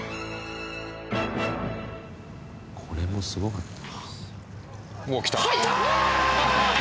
「これもすごかった」